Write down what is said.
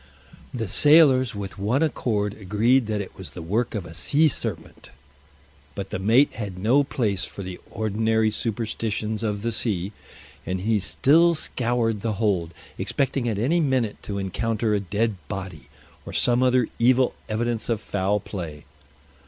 The sailors with one accord agreed that it was the work of a sea serpent. But the mate had no place for the ordinary superstitions of the sea, and he still scoured the hold, expecting at any minute to encounter a dead body or some other evil evidence of foul play.